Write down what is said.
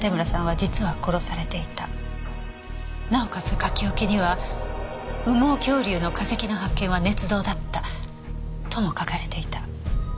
書き置きには「羽毛恐竜の化石の発見は捏造だった」とも書かれていた。